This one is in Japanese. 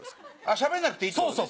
しゃべんなくていいってことね。